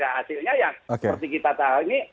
hasilnya yang seperti kita tahu ini